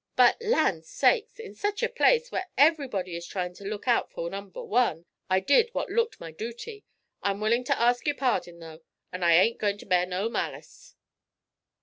But, land sakes! in sech a place, where everybody is tryin' to look out fur number one, I did what looked my dooty. I'm willin' to ask yer pardon, though, and I ain't goin' ter bear no malice.'